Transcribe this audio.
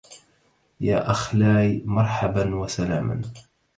يا أخلاي مرحبا وسلاما